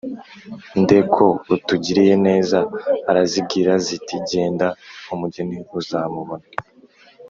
nde ko utugiriye neza?" arazibwira. ziti: "genda umugeni uzamubona